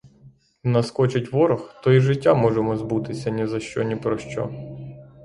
Наскочить ворог, то і життя можемо збутися ні за що ні про що.